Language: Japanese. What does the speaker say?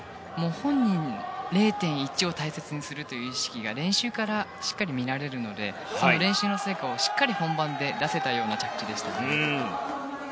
本人、０．１を大切にするという意識が練習からしっかり見られるのでその練習の成果をしっかり本番で出せたような着地でした。